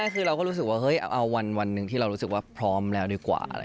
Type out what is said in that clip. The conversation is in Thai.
คือเราก็รู้สึกว่าเฮ้ยเอาวันหนึ่งที่เรารู้สึกว่าพร้อมแล้วดีกว่า